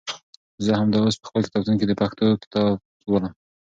زه همدا اوس په خپل کتابتون کې د پښتو کتاب لولم.